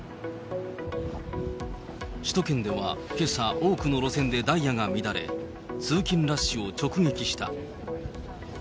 首都圏ではけさ、多くの路線でダイヤが乱れ、通勤ラッシュを直撃した。